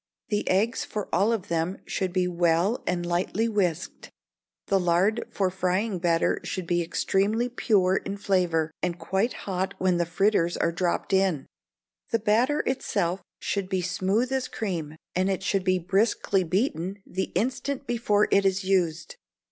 The eggs for all of them should be well and lightly whisked; the lard for frying batter should be extremely pure in flavour, and quite hot when the fritters are dropped in; the batter itself should be smooth as cream, and it should be briskly beaten the instant before it is used.